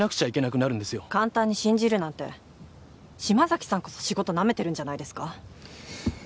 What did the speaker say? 簡単に信じるなんて島崎さんこそ仕事なめてるんじゃないですか？